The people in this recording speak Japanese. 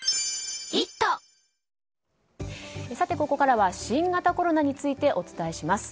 ここからは新型コロナについてお伝えします。